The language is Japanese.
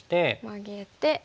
マゲて。